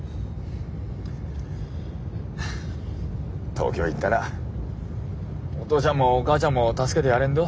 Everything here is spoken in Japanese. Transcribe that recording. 東京行ったらお父ちゃんもお母ちゃんも助けてやれんど？